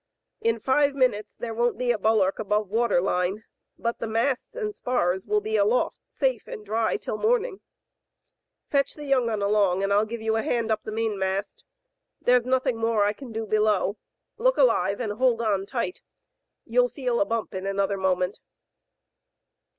In five minutes there won't be a bulwark above water line, but the masts and spars will be aloft safe and dry till morning. Fetch young un* along, and Til give you a hand up the mainmast. There's nothing more I can do below. Look alive, and hold on tight. You'll feel a bump in another mo ment."